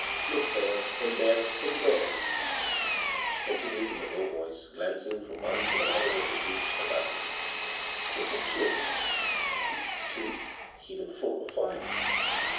Look there, and there, and there," she continued in a low voice, glancing from one to another of the groups about them ;" they have children— one, two, even four or five.